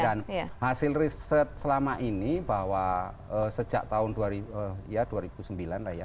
dan hasil riset selama ini bahwa sejak tahun dua ribu sembilan lah ya